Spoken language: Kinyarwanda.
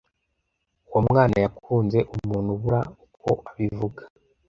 uwomwana yakunze umuntu abura uko abivuga